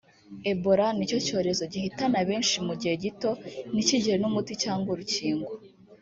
Ebola ni cyo cyorezo gihitana benshi mu gihe gito ntikigire n’umuti cyangwa urukingo